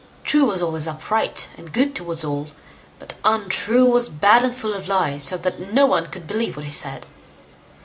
True was always upright and good towards all, but Untrue was bad and full of lies, so that no one could believe what he said.